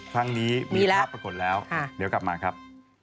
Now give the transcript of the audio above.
ครั้งนี้มีภาพปรากฏแล้วเดี๋ยวกลับมาครับ